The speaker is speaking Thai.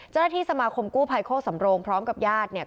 เจ้าหน้าที่สมาคมกู้ภัยโคกสำโรงพร้อมกับญาติเนี่ย